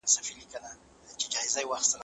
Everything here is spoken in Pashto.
دا فعالیت د ادراک نښې ښودلې.